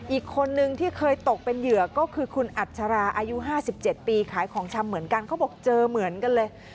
อีกคนนึงที่เคยตกเป็นเหยื่อก็คือคุณอัชราอายุ๕๗ปีขายของชำเหมือนกันเขาบอกเจอเหมือนกันเลย